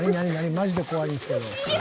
マジで怖いんですけど。